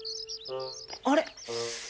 あれ？